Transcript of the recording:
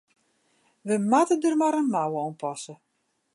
We moatte der mar in mouwe oan passe.